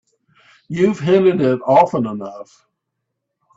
You've hinted it often enough.